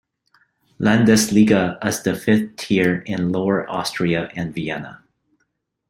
Landesliga as the fifth tier in Lower Austria and Vienna.